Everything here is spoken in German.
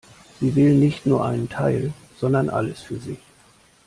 Sie will nicht nur einen Teil, sondern alles für sich.